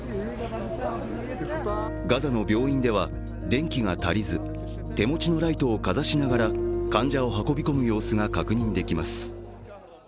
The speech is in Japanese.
ガザの病院では電気が足りず手元のライトをかざしながら患者を運び込む様子が確認できます。